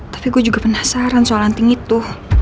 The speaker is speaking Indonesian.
tapi gua juga penasaran soal hunting itu